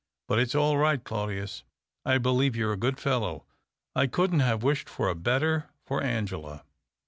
"But it's all right, Claudius. I believe you're a good fellow — I couldn't have wished for a better for Angela.